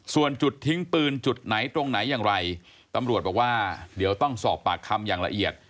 ส่วนจุดทิ้งปืนจุดไหนตรงไหนอย่างไรตำรวจบอกว่าเดี๋ยวต้องสอบปากคำอย่างละเอียด